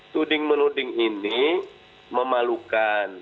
tuding menuding ini memalukan